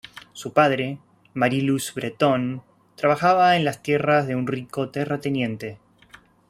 Su padre, Marie-Louis Breton, trabajaba las tierras de un rico terrateniente.